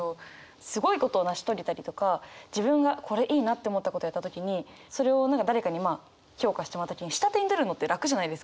すごいことを成し遂げたりとか自分がこれいいなって思ったことをやった時にそれを誰かにまあ評価してもらう時に下手に出るのって楽じゃないですか。